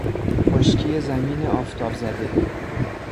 خشکی زمین آفتاب زده